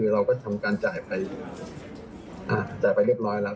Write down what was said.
เราก็ทำการจ่ายไปจ่ายไปเรียบร้อยแล้ว